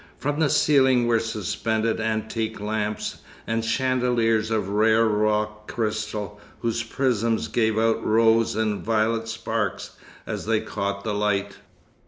From the ceiling were suspended antique lamps, and chandeliers of rare rock crystal, whose prisms gave out rose and violet sparks as they caught the light.